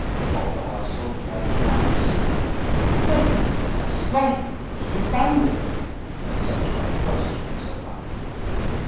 All the household gathers round to see;—"Where is it? What is it like? Where did you find it?" and such like questions, abounding.